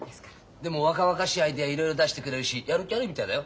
でも若々しいアイデアいろいろ出してくれるしやる気あるみたいだよ。